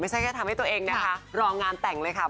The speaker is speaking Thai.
ไม่ใช่แค่ทำให้ตัวเองนะครับรองานแต่งเลยครับ